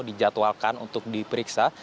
dijadwalkan untuk diperiksa